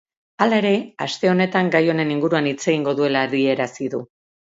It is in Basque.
Hala ere, aste honetan gai honen inguruan hitz egingo duela adierazi du.